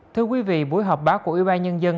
thưa quý vị buổi họp báo của ủy ban nhân dân